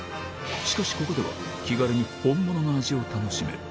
しかしここでは、気軽に本物の味